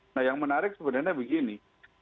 nah yang menarik sebenarnya begini